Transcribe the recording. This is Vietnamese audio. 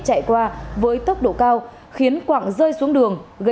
chạy qua với tốc độ cao khiến quạng rơi xuống đường